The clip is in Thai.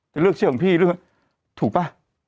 จะเลือกเชื่อของพี่ถูกป่ะ